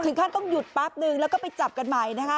ถึงท่านต้องหยุดปั๊บหนึ่งแล้วก็ไปจับกันใหม่นะคะ